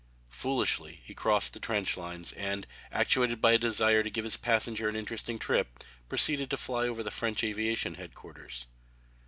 Foolishly he crossed the trench lines and, actuated by a desire to give his passenger an interesting trip, proceeded to fly over the French aviation headquarters.